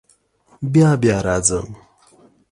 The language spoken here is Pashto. بیا بیا راځم.